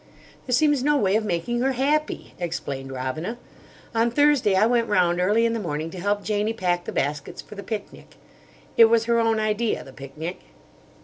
"There seems no way of making her happy," explained Robina. "On Thursday I went round early in the morning to help Janie pack the baskets for the picnic. It was her own idea, the picnic."